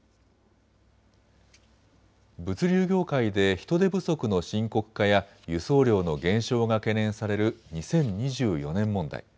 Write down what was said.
物流業界で人手不足の深刻化や輸送量の減少が懸念される２０２４年問題。